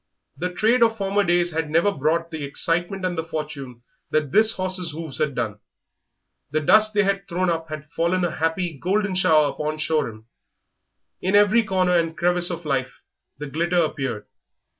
The trade of former days had never brought the excitement and the fortune that this horse's hoofs had done. The dust they had thrown up had fallen a happy, golden shower upon Shoreham. In every corner and crevice of life the glitter appeared.